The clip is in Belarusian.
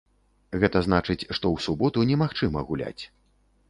Гэта значыць, што ў суботу немагчыма гуляць.